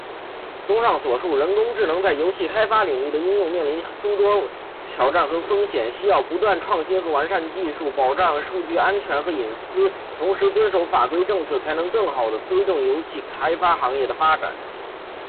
综上所述，人工智能在油气开发领域的应用面临诸多挑战和风险，需要不断创新和完善技术，保障数据安全和隐私，同时遵守法规政策，才能更好地推动油气开发行业的发展。